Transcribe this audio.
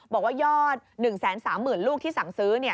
บอกว่ายอด๑๓๐๐๐ลูกที่สั่งซื้อ